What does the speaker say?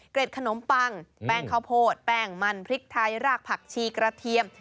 ขนมปังแป้งข้าวโพดแป้งมันพริกไทยรากผักชีกระเทียม